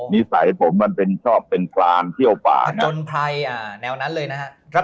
นิสัยผมมันเป็นชอบเป็นพรานเที่ยวป่านะคนไทยแนวนั้นเลยนะครับ